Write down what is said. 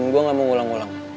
ya ga keren